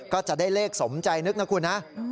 ก็จะได้เลขสมใจนึกนะคุณนะ